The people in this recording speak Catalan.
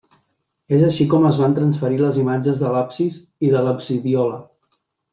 És així com es van transferir les imatges de l'absis i de l'absidiola.